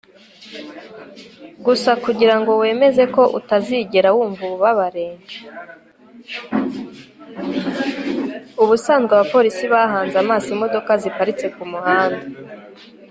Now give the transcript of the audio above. ubusanzwe abapolisi bahanze amaso imodoka ziparitse kumuhanda